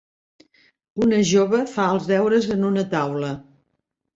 Una jove fa els deures en una taula.